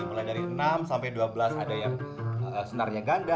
mulai dari enam sampai dua belas ada yang senarnya ganda